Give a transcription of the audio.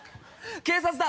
警察だ！